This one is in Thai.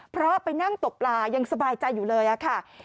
เพราะไปนั่งตกปลายังสบายใจอยู่เลยค่ะ